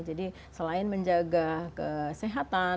jadi selain menjaga kesehatan